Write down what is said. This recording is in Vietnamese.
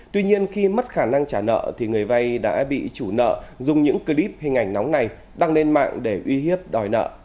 tuy nhiên khi mất khả năng trả nợ thì người vay đã bị chủ nợ dùng những clip hình ảnh nóng này đăng lên mạng để uy hiếp đòi nợ